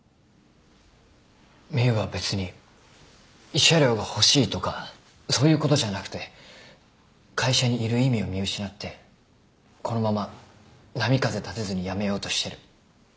美羽は別に慰謝料が欲しいとかそういうことじゃなくて会社にいる意味を見失ってこのまま波風立てずに辞めようとしてる。